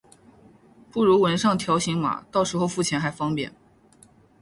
不如纹上条形码，到时候付钱还方便